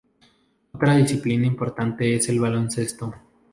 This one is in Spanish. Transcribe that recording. Otra disciplina importante es el baloncesto.